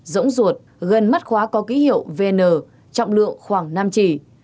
rỗng ruột gần mắt khóa có ký hiệu vn trọng lượng khoảng năm chỉ